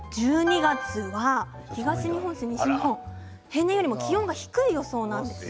１２月は東日本、西日本平年よりも気温が低い予想なんです。